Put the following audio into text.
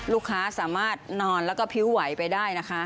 ลูกค้าสามารถนอนแล้วก็พิ้วไหวไปได้นะคะ